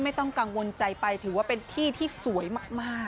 ไม่ต้องกังวลใจไปถือว่าเป็นที่ที่สวยมาก